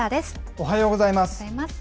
おはようございます。